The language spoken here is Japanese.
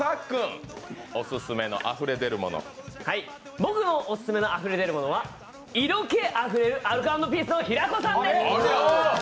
僕のオススメのあふれ出るものは色気あふれるアルコ＆ピース平子さんです。